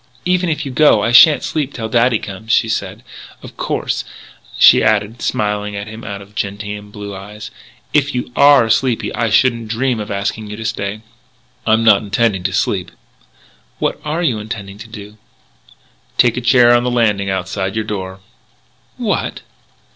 "Even if you go I shan't sleep till daddy comes," she said. "Of course," she added, smiling at him out of gentian blue eyes, "if you are sleepy I shouldn't dream of asking you to stay." "I'm not intending to sleep." "What are you going to do?" "Take a chair on the landing outside your door." "What!"